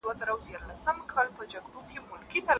یوه وعده وه په اول کي مي در وسپارله